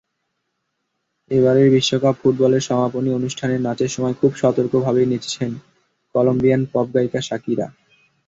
এবারের বিশ্বকাপ ফুটবলের সমাপনী অনুষ্ঠানের নাচের সময় খুব সতর্কভাবেই নেচেছেন কলম্বিয়ান পপগায়িকা শাকিরা।